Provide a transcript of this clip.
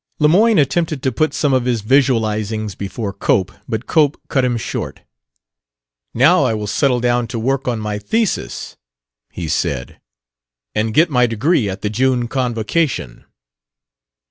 Lemoyne attempted to put some of his visualizings before Cope, but Cope cut him short. "Now I will settle down to work on my thesis," he said, "and get my degree at the June convocation."